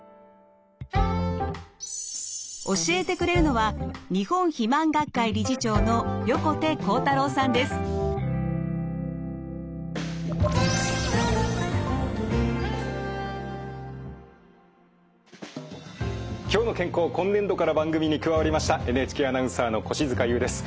教えてくれるのは「きょうの健康」今年度から番組に加わりましたＮＨＫアナウンサーの越塚優です。